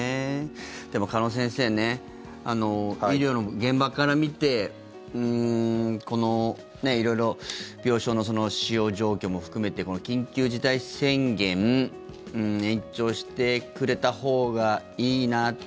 でも、鹿野先生ね医療の現場から見て色々、病床の使用状況も含めてこの緊急事態宣言延長してくれたほうがいいなって